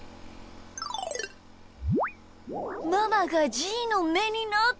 ママがじーのめになってる！